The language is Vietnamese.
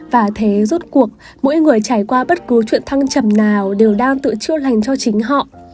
và thế rút cuộc mỗi người trải qua bất cứ chuyện thăng trầm nào đều đang tự chưa lành cho chính họ